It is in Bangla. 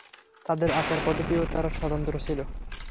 তাদের আচার-পদ্ধতিতেও তারা স্বতন্ত্র ছিল।